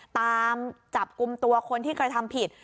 ตามจับกลุ่มตัวคนที่กระทำผิด